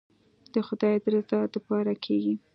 د خداى د رضا دپاره کېګي.